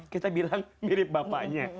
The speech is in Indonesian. kita bilang mirip bapaknya